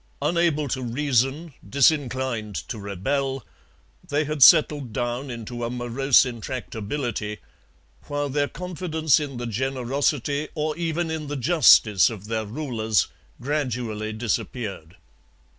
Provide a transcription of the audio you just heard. Unable to reason, disinclined to rebel, they had settled down into a morose intractability, while their confidence in the generosity or even in the justice of their rulers gradually disappeared.